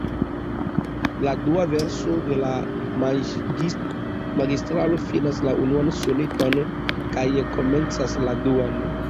La dua verso de la Magistralo finas la unuan soneton kaj komencas la duan.